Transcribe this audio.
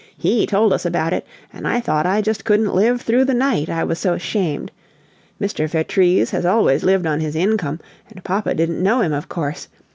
HE told us about it, and I thought I just couldn't live through the night, I was so ashamed! Mr. Vertrees has always lived on his income, and papa didn't know him, of course.